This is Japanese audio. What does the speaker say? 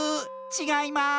ちがいます！